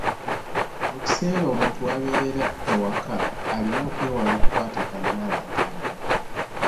Mu kiseera omuntu w’abeerera ewaka, alina okwewala okukwatagana n’abantu abalala.